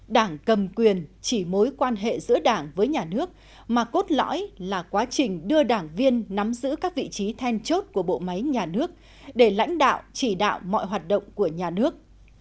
đảng cầm quyền chỉ mối quan hệ giữa đảng với nhà nước mà cốt lõi là quá trình đưa đảng viên nắm giữ các vị trí then chốt của bộ máy nhà nước để lãnh đạo chỉ đạo mọi hoạt động của nhà nước